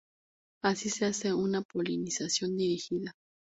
Así se hace una polinización dirigida.